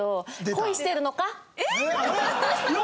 恋してるのか？